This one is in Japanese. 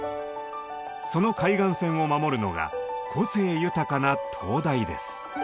その海岸線を守るのが個性豊かな灯台です。